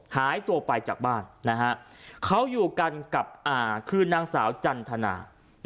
หายตัวไปจากบ้านนะฮะเขาอยู่กันกับอาคือนางสาวจันทนา